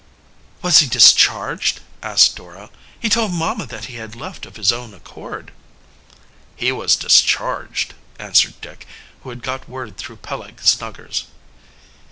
"Was he discharged?" asked Dora. "He told mamma that he had left of his own accord." "He was discharged," answered Dick, who had got word through Peleg Snuggers.